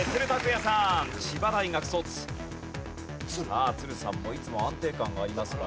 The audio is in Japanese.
さあ都留さんもいつも安定感がありますが。